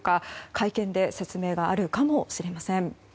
会見で説明があるかもしれません。